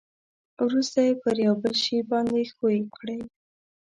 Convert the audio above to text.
ورسته یې پر یو بل شي باندې ښوي کړئ.